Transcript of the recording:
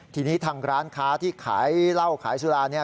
ทีนี้ทางร้านค้าที่ขายเหล้าขายสุราเนี่ย